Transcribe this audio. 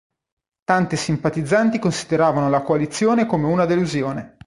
Tante simpatizzanti considerava la coalizione come una delusione.